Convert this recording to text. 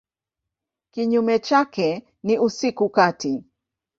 Kinyume chake ni usiku kati.